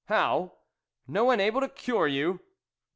" How ! No one able to cure you